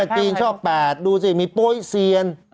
จีนชอบ๘ดูสิมีโป๊ยเซียน